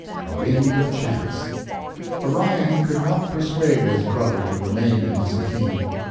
A WIND OF CHANCE Orion could not persuade his brother to remain in Muscatine.